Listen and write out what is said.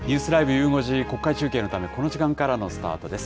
ゆう５時、国会中継のため、この時間からのスタートです。